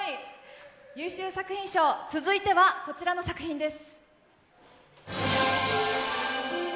優秀作品賞、続いてはこちらの作品です。